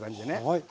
はい。